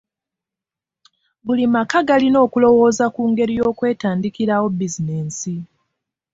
Buli maka galina okulowooza ku ngeri y'okwetandikirawo bizinensi.